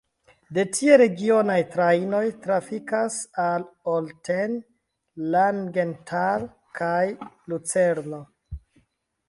De tie regionaj trajnoj trafikas al Olten, Langenthal kaj Lucerno.